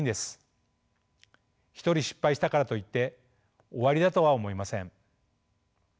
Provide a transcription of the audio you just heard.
一人失敗したからといって終わりだとは思いません」。